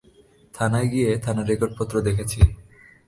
থানায় গিয়ে থানার রেকর্ডপত্র দেখেছি।